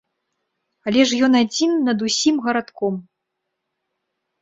Але ж ён адзін над усім гарадком.